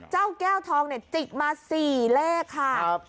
เจ้าแก้วทองจิกมา๔เลขค่ะ